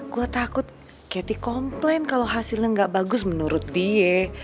gua takut cathy komplain kalau hasilnya nggak bagus menurut dia